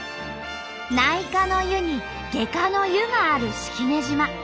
内科の湯に外科の湯がある式根島。